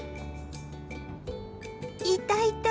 いたいた！